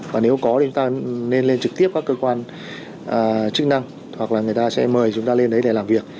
và nếu có thì chúng ta nên lên trực tiếp các cơ quan chức năng hoặc là người ta sẽ mời chúng ta lên đấy để làm việc